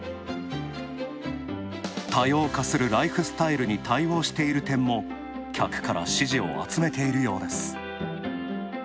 多様化するライフスタイルに対応している点も、客から支持を集めているようです。